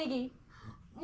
pakir apa ini